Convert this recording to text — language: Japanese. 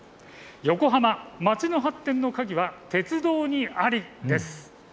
横浜、街の発展の鍵は鉄道にありです。